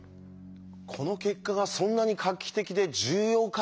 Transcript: この結果がそんなに画期的で重要かって？